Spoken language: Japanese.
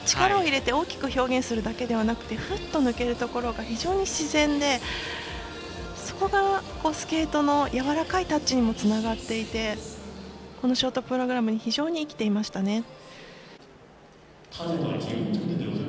力を入れて大きく表現するだけではなくてふっと抜けるところが非常に自然で、そこがスケートのやわらかいタッチにもつながっていてこのショートプログラムに非常に生きていましたね。